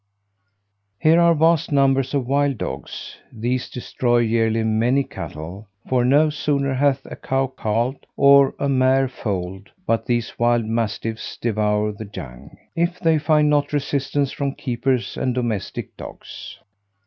Here are vast numbers of wild dogs: these destroy yearly many cattle; for no sooner hath a cow calved, or a mare foaled, but these wild mastiffs devour the young, if they find not resistance from keepers and domestic dogs.